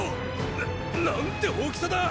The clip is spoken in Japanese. なっなんて大きさだ！